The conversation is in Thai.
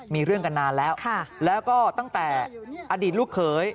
มีเรื่องกันนานแล้วแล้วก็ตั้งแต่อดีตลูกเขย